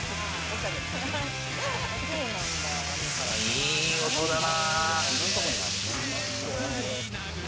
いい音だな！